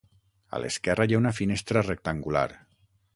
A l'esquerra hi ha una finestra rectangular.